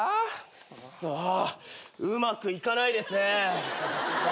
くそうまくいかないですね。